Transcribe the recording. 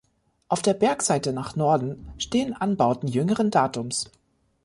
Auf der Bergseite nach Norden stehen Anbauten jüngeren Datums.